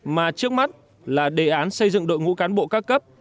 mà trước mắt là đề án xây dựng đội ngũ cán bộ các cấp